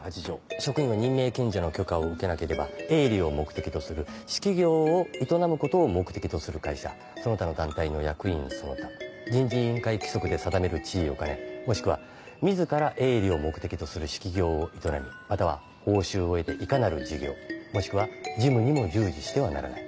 職員は任命権者の許可を受けなければ営利を目的とする私企業を営むことを目的とする会社その他の団体の役員その他人事委員会規則で定める地位を兼ねもしくは自ら営利を目的とする私企業を営みまたは報酬を得ていかなる事業もしくは事務にも従事してはならない。